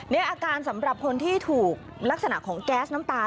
นี่อาการสำหรับคนที่ถูกลักษณะของแก๊สน้ำตา